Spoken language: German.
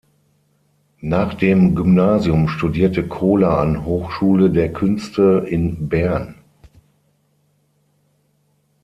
Nach dem Gymnasium studierte Kohler an Hochschule der Künste in Bern.